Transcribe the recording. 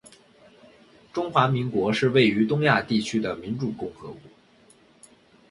中华民国是位于东亚地区的民主共和国